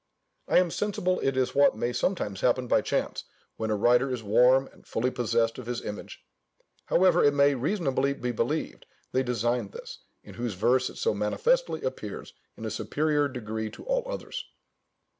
I am sensible it is what may sometimes happen by chance, when a writer is warm, and fully possessed of his image: however, it may reasonably be believed they designed this, in whose verse it so manifestly appears in a superior degree to all others.